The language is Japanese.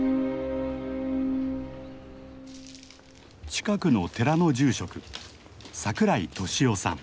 近くの寺の住職櫻井慧雄さん。